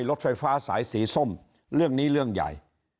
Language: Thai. รถไฟฟ้าสายสีส้มเรื่องนี้เรื่องใหญ่